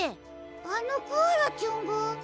あのコアラちゃんが。